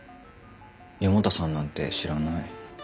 四方田さんなんて知らない。